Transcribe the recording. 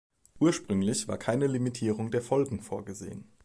Ursprünglich war keine Limitierung der Folgen vorgesehen.